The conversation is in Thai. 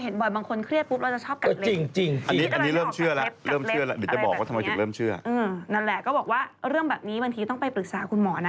นั่นแหละก็บอกว่าเรื่องแบบนี้บางทีต้องไปปรึกษาคุณหมอนะ